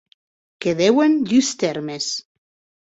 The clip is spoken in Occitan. Que deuen dus tèrmes.